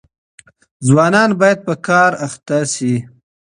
ځوانان بايد په کار بوخت سي.